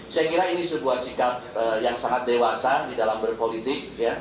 saya kira ini sebuah sikap yang sangat dewasa di dalam berpolitik